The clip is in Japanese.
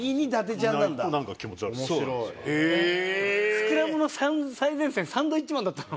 スクラムの最前線サンドウィッチマンだったの？